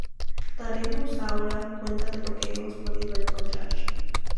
Daremos ahora cuenta de lo que hemos podido encontrar.